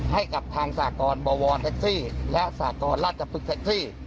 ให้กับทางทักเกิร์ตบอวอนแท็กซี่และทางทางทางสากรลาชะภึกเทกซี่